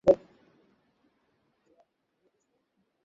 আপনি যান, স্যার।